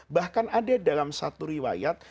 bahkan ada dalam satu riwayat